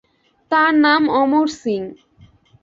তার নাম অমর সিং।